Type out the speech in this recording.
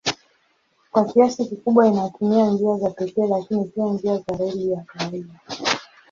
Kwa kiasi kikubwa inatumia njia za pekee lakini pia njia za reli ya kawaida.